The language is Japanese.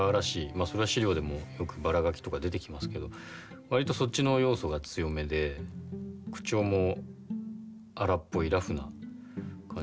あそれは史料でもよくバラガキとか出てきますけど割とそっちの要素が強めで口調も荒っぽいラフな感じの人になってるんじゃないですかね。